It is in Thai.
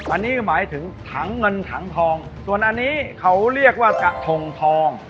อันนี้หมายถึงถังเงินถังทองส่วนอันนี้เขาเรียกว่ากระทงทอง